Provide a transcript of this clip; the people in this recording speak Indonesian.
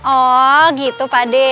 oh gitu pade